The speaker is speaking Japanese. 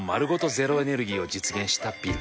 ゼロエネルギーを実現したビル。